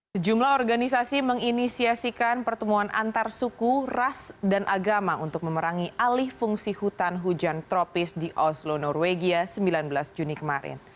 sejumlah organisasi menginisiasikan pertemuan antar suku ras dan agama untuk memerangi alih fungsi hutan hujan tropis di oslo norwegia sembilan belas juni kemarin